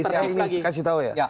saya ingin kasih tau ya